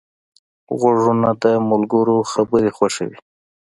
غوږونه د ملګرو خبرې خوښوي